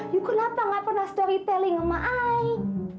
iu kenapa enggak pernah berbicara cerita sama saya